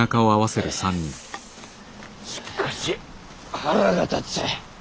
しかし腹が立つ！